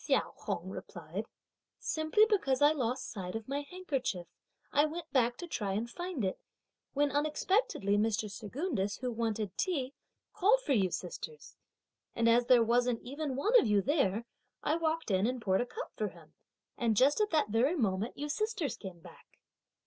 Hsiao Hung replied; "simply because I lost sight of my handkerchief, I went to the back to try and find it, when unexpectedly Mr. Secundus, who wanted tea, called for you sisters; and as there wasn't one even of you there, I walked in and poured a cup for him, and just at that very moment you sisters came back."